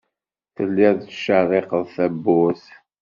Tellid tettcerriqed tawwurt.